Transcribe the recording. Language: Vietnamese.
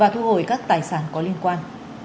chú hồi các tài sản có liên quan